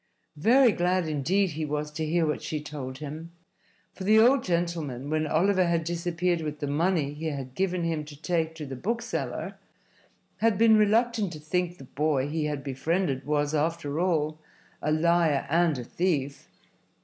Very glad, indeed, he was to hear what she told him. For the old gentleman, when Oliver had disappeared with the money he had given him to take to the bookseller, had been reluctant to think the boy he had befriended was, after all, a liar and a thief.